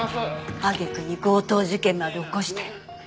揚げ句に強盗事件まで起こして。